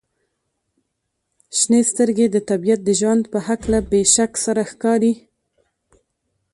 • شنې سترګې د طبیعت د ژوند په هکله بې شک سره ښکاري.